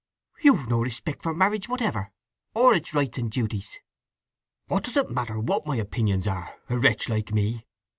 "You've no respect for marriage whatever, or its rights and duties!" "What does it matter what my opinions are—a wretch like me!